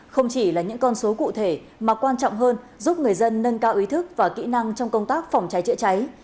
không chỉ là những con số cụ thể mà quan trọng hơn giúp người dân nâng cao ý thức và kỹ năng trong công tác phòng cháy chữa cháy